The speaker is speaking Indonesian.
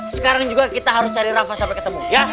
sekarang juga kita harus cari rafa sampai ketemu ya